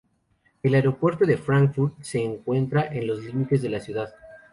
El aeropuerto de Frankfurt se encuentra en los límites de la ciudad.